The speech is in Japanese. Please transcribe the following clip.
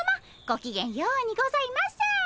ごきげんようにございます。